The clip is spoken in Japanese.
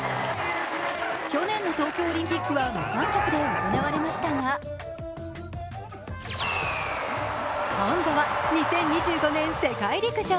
去年の東京オリンピックは無観客で行われましたが今度は２０２５年、世界陸上。